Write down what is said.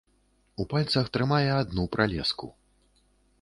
У пальцах трымае адну пралеску.